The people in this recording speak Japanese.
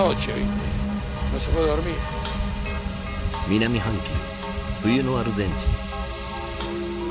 南半球冬のアルゼンチン。